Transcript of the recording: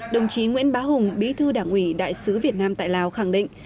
đồng chí nguyễn bá hùng bí thư đảng ủy đại sứ việt nam tại lào khẳng định